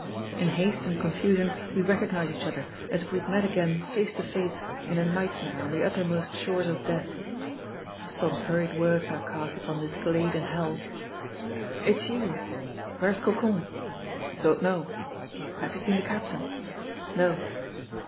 In haste and confusion we recognize each other, as if we had met again face to face in a nightmare on the uttermost shores of death. Some hurried words are cast upon this glade in hell "It's you! " "Where's Cocon?" "Don't know." "Have you seen the captain? " "No."